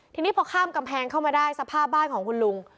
ทีนี้พอข้ามกำแพงเข้ามาได้สภาพบ้านของคุณลุง